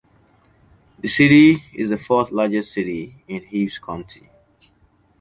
The city is the fourth largest city in Heves county.